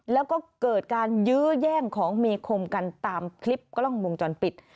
แล้วก็เกิดการยื้อแย่งของมีคมกันตามคลิปกล้องวงจรปิด